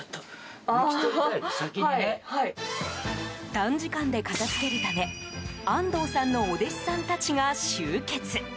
短時間で片付けるため安東さんのお弟子さんたちが集結。